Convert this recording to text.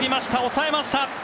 抑えました！